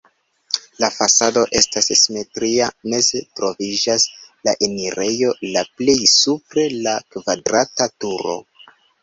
La fasado estas simetria, meze troviĝas la enirejo, la plej supre la kvadrata turo.